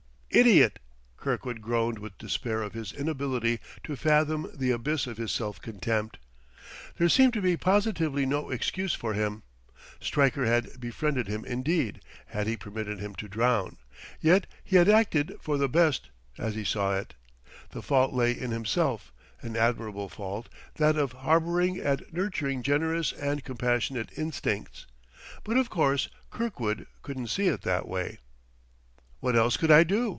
Idiot! Kirkwood groaned with despair of his inability to fathom the abyss of his self contempt. There seemed to be positively no excuse for him. Stryker had befriended him indeed, had he permitted him to drown. Yet he had acted for the best, as he saw it. The fault lay in himself: an admirable fault, that of harboring and nurturing generous and compassionate instincts. But, of course, Kirkwood couldn't see it that way. "What else could I do?"